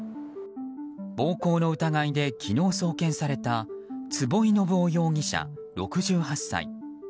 暴行の疑いで昨日、送検された坪井信男容疑者、６８歳。